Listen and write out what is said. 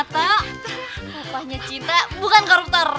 papahnya cita bukan koruptor